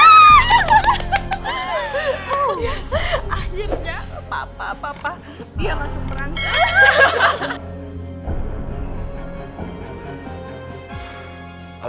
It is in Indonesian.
akhirnya papa papa dia langsung merangkang